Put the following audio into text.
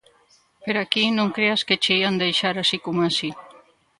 Pero aquí non creas que che ían deixar así como así.